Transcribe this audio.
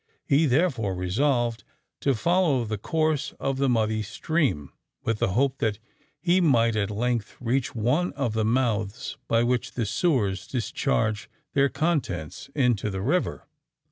He therefore resolved to follow the course of the muddy stream, with the hope that he might at length reach one of the mouths by which the sewers discharge their contents into the river.